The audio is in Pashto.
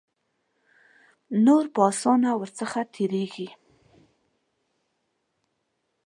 نور په آسانه ور څخه تیریږي.